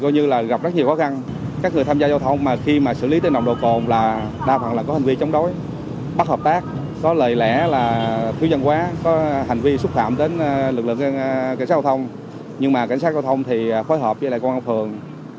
nhưng mà cảnh sát giao thông thì phối hợp với lại công an phường